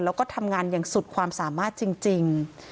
แล้วก็ทำงานอย่างสุดความสามารถจริง